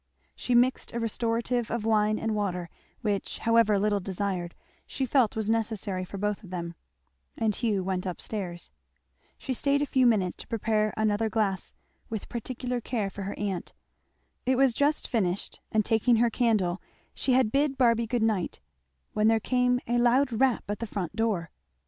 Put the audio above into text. She mixed a restorative of wine and water, which however little desired, she felt was necessary for both of them, and Hugh went up stairs. She staid a few minutes to prepare another glass with particular care for her aunt. It was just finished, and taking her candle she had bid Barby good night, when there came a loud rap at the front door.